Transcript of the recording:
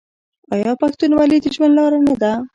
آیا پښتونولي د ژوند لاره نه ده؟